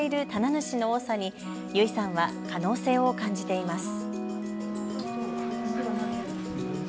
主の多さに由井さんは可能性を感じています。